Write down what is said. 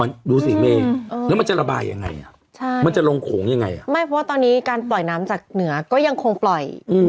มันดูสิเมแล้วมันจะระบายยังไงอ่ะใช่มันจะลงโขงยังไงอ่ะไม่เพราะว่าตอนนี้การปล่อยน้ำจากเหนือก็ยังคงปล่อย